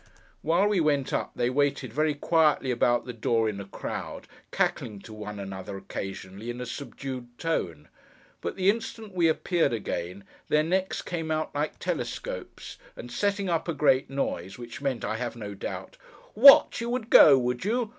While we went up, they waited very quietly about the door in a crowd, cackling to one another occasionally, in a subdued tone; but the instant we appeared again, their necks came out like telescopes, and setting up a great noise, which meant, I have no doubt, 'What, you would go, would you!